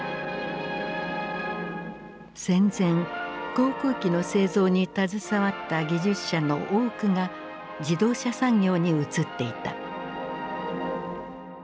戦前航空機の製造に携わった技術者の多くが自動車産業に移っていた。